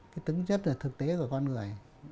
cái tính rất là thực tế của con người